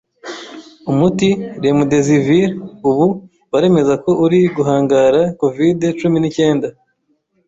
Umuti remdesivir ubu baremeza ko uri guhangara Covid-cumi ni cyenda